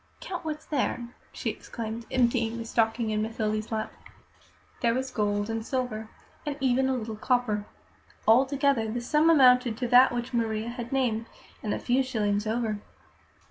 "Count what's there," she exclaimed, emptying the stocking in Mathilde's lap. There were gold and silver, and even a little copper. Altogether, the sum amounted to that which Maria had named, and a few shillings over.